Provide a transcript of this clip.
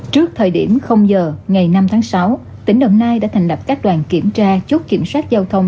trước thời điểm giờ ngày năm tháng sáu tỉnh đồng nai đã thành lập các đoàn kiểm tra chốt kiểm soát giao thông